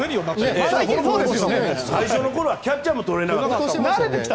最初の頃はキャッチャーも取れなかった。